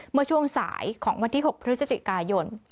เมื่อช่วงสายของวันที่๖พฤศจิกายน